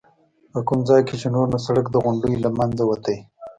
په کوم ځای کې چې نور نو سړک د غونډیو له منځه وتی.